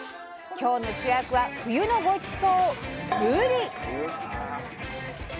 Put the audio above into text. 今日の主役は冬のごちそう「ぶり」！